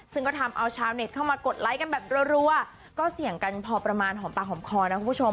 ซึ่งก็ทำเอาชาวเน็ตเข้ามากดไลค์กันแบบรัวก็เสี่ยงกันพอประมาณหอมปากหอมคอนะคุณผู้ชม